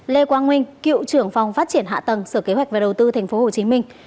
lê quang minh cựu trưởng phòng phát triển hạ tầng sở kế hoạch và đầu tư tp hcm